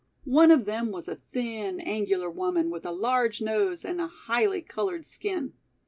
One of them was a thin, angular woman with a large nose and a highly colored skin.